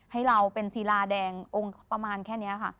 ให้เราเป็นศิลาแดงองค์ประมาณแค่นี้ค่ะ